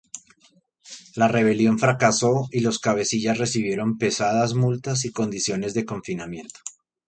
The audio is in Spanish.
La rebelión fracasó y los cabecillas recibieron pesadas multas y condiciones de confinamiento.